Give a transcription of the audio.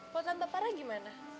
kalau tanpa para gimana